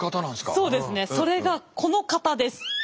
そうですねそれがこの方です。